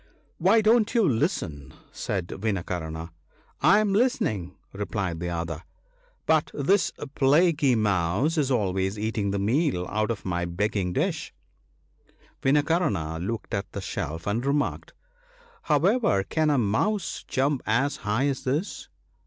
"Why don't you listen ?" said Vinakarna. " I am listening !" replied the other ;" but this plaguy mouse is always eat ing the meal out of my begging dish." Vinakarna looked at the shelf and remarked, " However can a mouse jump as high as this